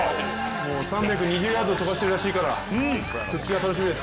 もう３２０ヤード飛ばしてるらしいから復帰が楽しみです。